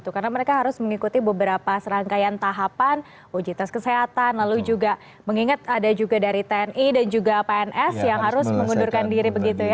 karena mereka harus mengikuti beberapa serangkaian tahapan uji tes kesehatan lalu juga mengingat ada juga dari tni dan juga pns yang harus mengundurkan diri